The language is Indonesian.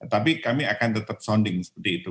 tapi kami akan tetap sounding seperti itu